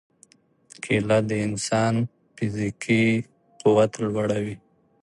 کېله د انسان فزیکي قوت لوړوي.